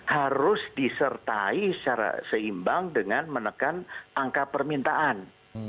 harus disertai secara seimbang dengan menekan angka permintaan